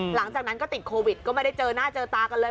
หลังจากนั้นก็ติดโควิดก็ไม่ได้เจอหน้าเจอตากันเลย